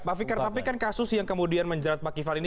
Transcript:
pak fikar tapi kan kasus yang kemudian menjerat pak kiflan ini